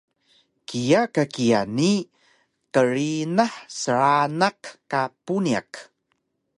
Kiya ka kiya ni krinah sranaq ka puniq